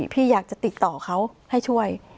พี่อยากจะติดต่อเขาให้ช่วย